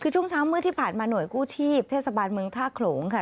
คือช่วงเช้ามืดที่ผ่านมาหน่วยกู้ชีพเทศบาลเมืองท่าโขลงค่ะ